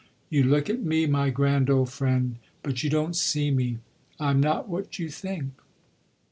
You look at me, my grand old friend, but you don't see me. I'm not what you think."